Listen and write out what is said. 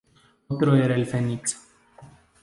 Otro era el Fenix.